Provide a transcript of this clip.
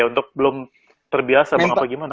yang terbiasa apa gimana